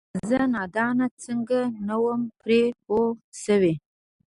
زه نادانه څنګه نه وم پرې پوه شوې؟!